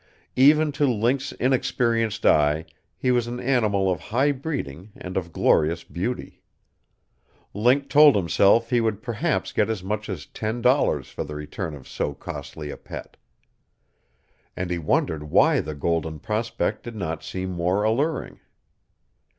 Even to Link's inexperienced eye he was an animal of high breeding and of glorious beauty. Link told himself he would perhaps get as much as ten dollars for the return of so costly a pet. And he wondered why the golden prospect did not seem more alluring.